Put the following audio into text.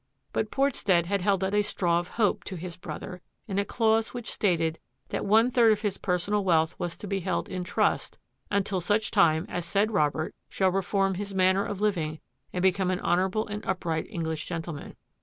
But Portstead had held out a straw of hope to his brother in a clause which stated that one third of his personal wealth was to be held in trust " until such time as said Robert shall reform his manner of living and become an honourable and upright English gentleman."